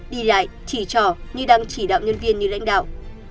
đi lại chỉ trò như đang chỉ đạo nhân viên như lãnh đạo